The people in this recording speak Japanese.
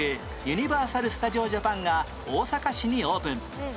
ユニバーサル・スタジオ・ジャパンが大阪市にオープン